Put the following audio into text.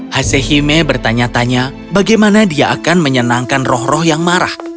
hasehime bertanya tanya bagaimana dia akan menyenangkan roh roh yang marah